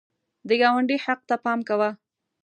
د ګاونډي حق ته پام کوه